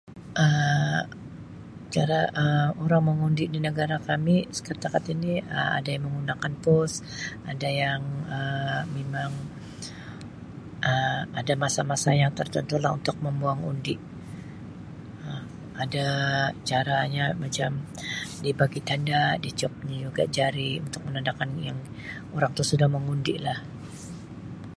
Um Cara Um orang mengundi di negara kami setakat ini Um ada yang menggunakan pos, ada yang Um memang Um ada masa-masa yang tertentu lah untuk membuang undi. Um Ada caranya macam dibagi tanda dicop [unintelligible] jari untuk menandakan yang orang tu sudah mengundi lah.